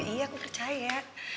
iya aku percaya